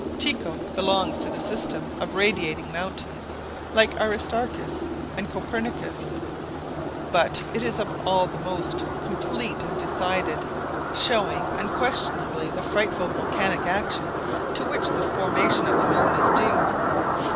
Tycho belongs to the system of radiating mountains, like Aristarchus and Copernicus; but it is of all the most complete and decided, showing unquestionably the frightful volcanic action to which the formation of the moon is due.